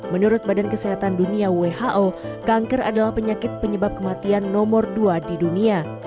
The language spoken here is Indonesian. menurut badan kesehatan dunia who kanker adalah penyakit penyebab kematian nomor dua di dunia